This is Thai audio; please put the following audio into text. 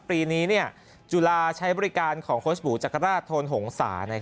ปีนี้จุฬาใช้บริการของโค้ชบูจักรราชโทนหงษา